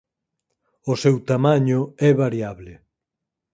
O seu tamaño é variable.